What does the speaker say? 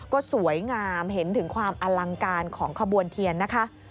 ก็สวยงามเห็นถึงความอลังการของขบวนเทียนนะคะ